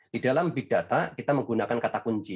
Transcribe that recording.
di dalam big data kita menggunakan kata kunci